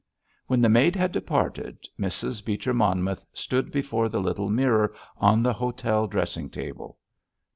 When the maid had departed, Mrs. Beecher Monmouth stood before the little mirror on the hotel dressing table.